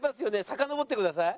さかのぼってください。